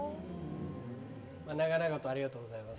長々とありがとうございます。